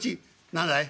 「何だい？」。